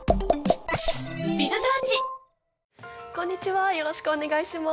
こんにちはよろしくお願いします。